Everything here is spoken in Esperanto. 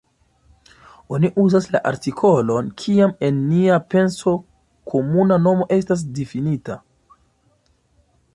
Oni uzas la artikolon kiam en nia penso komuna nomo estas difinita.